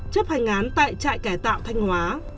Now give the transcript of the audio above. chấp hành án tại trại cải tạo thanh hóa